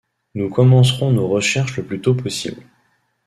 Nous commencerons nos recherches le plus tôt possible.